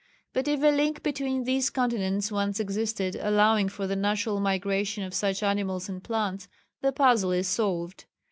But if a link between these continents once existed allowing for the natural migration of such animals and plants, the puzzle is solved.